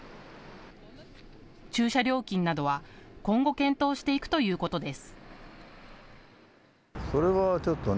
駐車料金などは今後、検討していくということです。